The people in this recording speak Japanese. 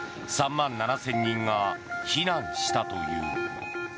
３万７０００人が避難したという。